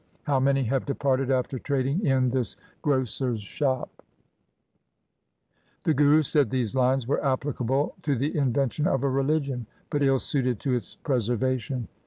How many have departed after trading in this grocer's shop ! 1 The Guru said these lines were applicable to the invention of a religion, but ill suited to its preserva tion.